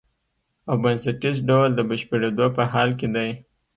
او بنسټیز ډول د بشپړېدو په حال کې دی.